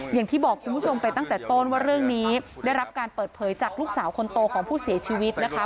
อย่างที่บอกคุณผู้ชมไปตั้งแต่ต้นว่าเรื่องนี้ได้รับการเปิดเผยจากลูกสาวคนโตของผู้เสียชีวิตนะคะ